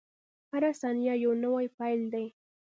• هره ثانیه یو نوی پیل دی.